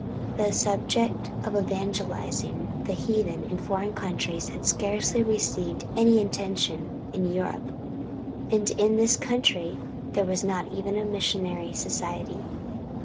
The subject of evangelizing the heathen in foreign countries had scarcely received any attention in Europe, and in this country there was not even a Missionary Society.